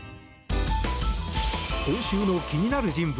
今週の気になる人物